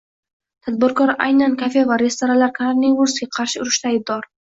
Tadbirkor aynan kafe va restoranlar koronavirusga qarshi urushda aybdor